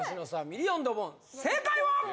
ミリオンドボン正解は？